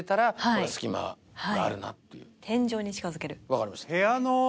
分かりました